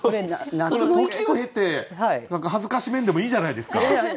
時を経て辱めんでもいいじゃないですか！